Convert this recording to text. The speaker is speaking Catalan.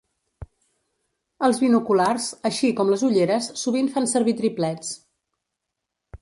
Els binoculars, així com les ulleres sovint fan servir triplets.